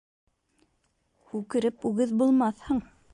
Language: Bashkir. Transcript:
Үкереп үгеҙ булмаҫһың